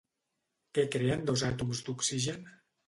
Què creen dos àtoms d'oxigen?